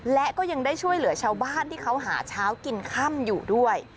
และก็ยังได้ช่วยเหลือชาวบ้านที่เขาหาเช้ากินค่ำอยู่ด้วย